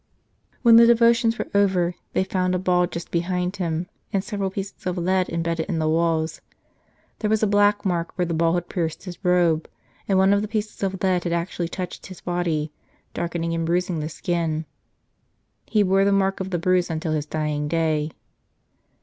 When the devotions were over, they found a ball just behind him, and several pieces of lead embedded in the walls; there was a black mark where the ball had pierced his robe, and one of the pieces of lead had actually touched his body, darkening and bruising the skin. He bore the mark of the bruise until his dying day.